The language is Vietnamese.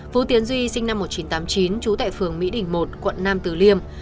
phú tiến duy sinh năm một nghìn chín trăm tám mươi chín chú tại phường mỹ đỉnh một quận nam từ liêm